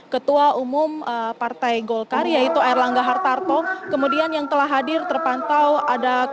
semoga terang mak yuk